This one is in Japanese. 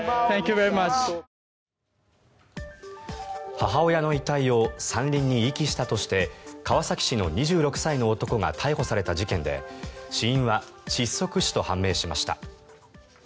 母親の遺体を山林に遺棄したとして川崎市の２６歳の男が逮捕された事件で死因は窒息死と判明しました。